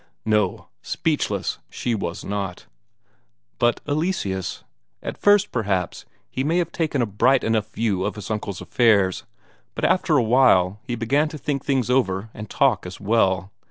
No, speechless she was not. But Eleseus? At first, perhaps, he may have taken a bright enough view of his uncle's affairs, but after a while he began to think things over and talk as well.